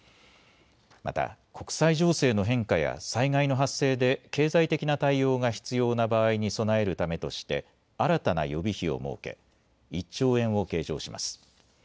また国際情勢の変化や災害の発生で経済的な対応が必要な場合に備えるためとして新たな予備費を設け１兆円を計上します。